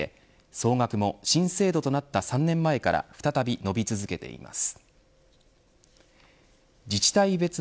総額も新制度となった３年前から再び、伸び続けています。